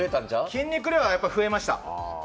筋肉量は増えました。